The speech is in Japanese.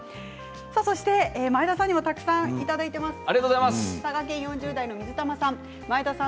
そして前田さんにもたくさん、いただいています。